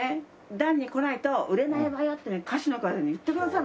ダンに来ないと売れないわよって歌手の方に言ってくださる。